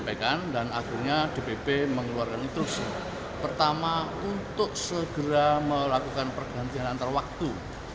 pdip pusat partai demokrasi indonesia pertama untuk segera melakukan pergantian antar waktu